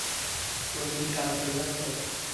তো, তুমি কাল চলে যাচ্ছো?